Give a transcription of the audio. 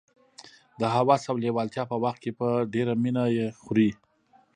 د هوس او لېوالتیا په وخت کې په ډېره مینه یې خوري.